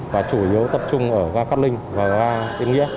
và chủ yếu tập trung ở ga cát linh và ga yên nghĩa